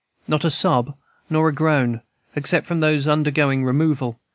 Not a sob nor a groan, except from those undergoing removal.